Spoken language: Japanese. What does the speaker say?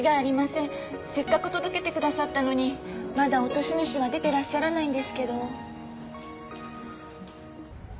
せっかく届けてくださったのにまだ落とし主は出てらっしゃらないんですけど。